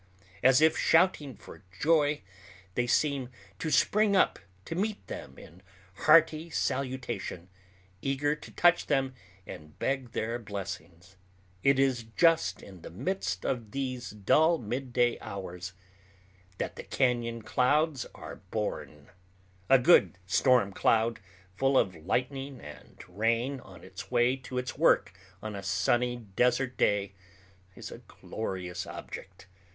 As if shouting for joy, they seem to spring up to meet them in hearty salutation, eager to touch them and beg their blessings. It is just in the midst of these dull midday hours that the cañon clouds are born. A good storm cloud full of lightning and rain on its way to its work on a sunny desert day is a glorious object.